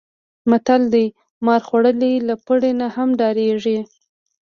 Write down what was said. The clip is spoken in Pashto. متل دی: مار خوړلی له پړي نه هم ډارېږي.